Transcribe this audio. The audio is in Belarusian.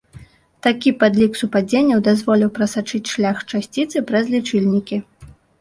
Такі падлік супадзенняў дазволіў прасачыць шлях часціцы праз лічыльнікі.